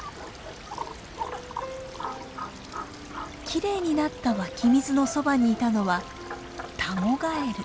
きれいになった湧き水のそばにいたのはタゴガエル。